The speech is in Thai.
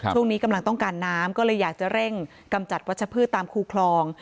ช่วงนี้กำลังต้องการน้ำก็เลยอยากจะเร่งกำจัดวัชพืชตามคูคลอง